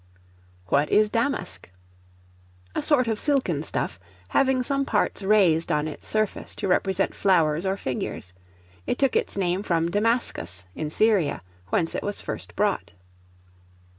What is Damask? A sort of silken stuff, having some parts raised on its surface to represent flowers or figures. It took its name from Damascus, in Syria, whence it was first brought.